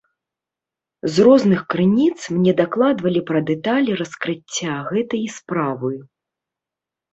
З розных крыніц мне дакладвалі пра дэталі раскрыцця гэтай справы.